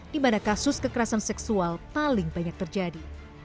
di mana kasus kekerasan seksual paling banyak terjadi